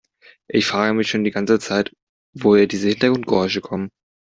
Ich frage mich schon die ganze Zeit, woher diese Hintergrundgeräusche kommen.